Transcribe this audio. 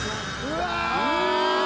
うわ！